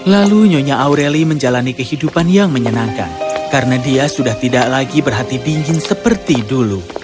lalu nyonya aureli menjalani kehidupan yang menyenangkan karena dia sudah tidak lagi berhati dingin seperti dulu